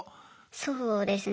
そうですね。